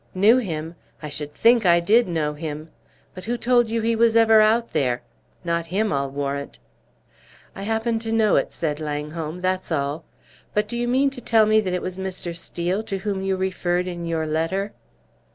"Knew him? I should think I did know him! But who told you he was ever out there? Not him, I'll warrant!" "I happen to know it," said Langholm, "that's all. But do you mean to tell me that it was Mr. Steel to whom you referred in your letter?"